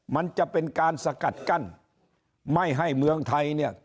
มันจะเป็นการสกัดกั้นไม่ให้เมืองไทยเนี่ย